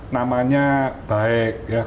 namanya baik ya